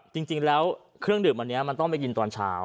จริงแล้วเครื่องดื่มอันนี้มันต้องไปกินตอนเช้า